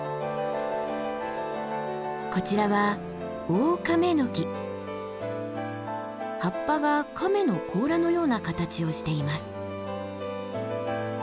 こちらは葉っぱが亀の甲羅のような形をしています。